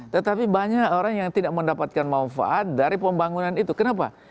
tetapi banyak orang yang tidak mendapatkan manfaat dari pembangunan itu kenapa